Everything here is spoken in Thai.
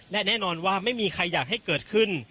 และแน่นอนว่าไม่มีใครอยากให้เกิดขึ้น